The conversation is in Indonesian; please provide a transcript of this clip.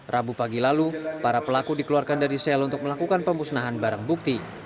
rabu pagi lalu para pelaku dikeluarkan dari sel untuk melakukan pemusnahan barang bukti